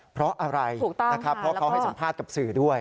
เพราะอะไรนะครับเพราะเขาให้สัมภาษณ์กับสื่อด้วย